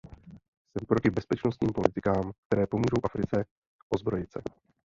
Jsem proti bezpečnostním politikám, které pomůžou Africe ozbrojit se.